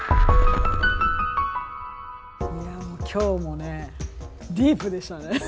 今日もねディープでしたね。